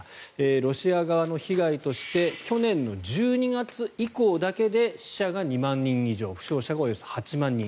ロシア側の被害として去年の１２月以降だけで死者が２万人以上負傷者がおよそ８万人。